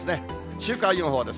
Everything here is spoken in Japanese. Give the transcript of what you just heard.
週間予報です。